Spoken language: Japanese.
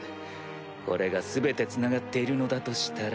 これが全て繋がっているのだとしたら。